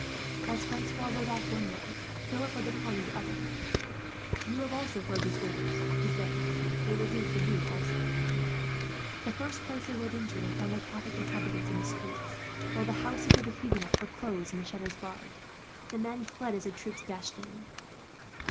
As Francois rode off one way, Philip led his party the other. "You have heard these orders," he said. "They will do for you, also." The first place they rode into, they found the Catholic inhabitants in the streets; while the houses of the Huguenots were closed, and the shutters barred. The men fled as the troop dashed in.